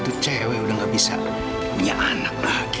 aku udah gak bisa punya anak lagi